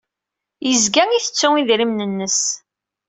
Yezga ittettu idrimen-nnes.